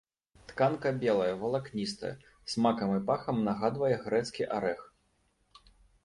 Тканка белая, валакністая, смакам і пахам нагадвае грэцкі арэх.